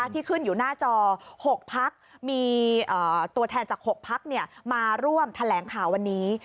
ที่ขึ้นอยู่หน้าจอ๖พักมีตัวแทนจาก๖พักมาร่วมแถลงข่าววันนี้